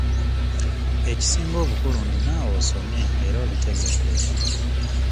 Ekisinga obukulu nti naawe osomye era obitegedde.